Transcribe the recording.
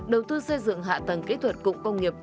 đầu tư xây dựng hạ tầng kỹ thuật cụm công nghiệp